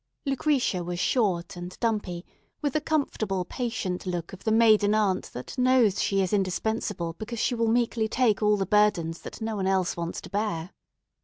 Lucretia was short and dumpy, with the comfortable, patient look of the maiden aunt that knows she is indispensable because she will meekly take all the burdens that no one else wants to bear.